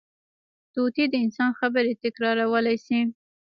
طوطي د انسان خبرې تکرارولی شي